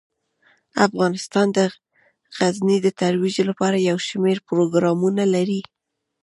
افغانستان د غزني د ترویج لپاره یو شمیر پروګرامونه لري.